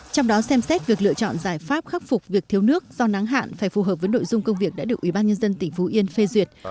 trong đó xem xét việc lựa chọn giải pháp khắc phục việc thiếu nước do nắng hạn phải phù hợp với nội dung công việc đã được ubnd tỉnh phú yên phê duyệt